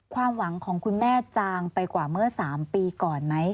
ความหวังของคุณแม่จางไปกว่าเมื่อ๓ปีก่อนไหม